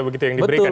begitu yang diberikan